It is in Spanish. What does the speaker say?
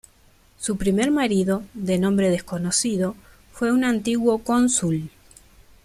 Su primer marido, de nombre desconocido, fue un antiguo cónsul.